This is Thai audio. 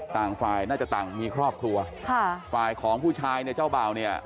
ต่างฝ่ายน่าจะต่างมีครอบครัวค่ะฝ่ายของผู้ชายเนี่ยเจ้าบ่าวเนี่ย